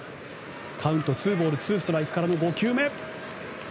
カウントツーボール、ツーストライクから５球目。